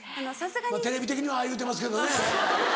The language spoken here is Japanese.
テレビ的にはああ言うてますけどねええ。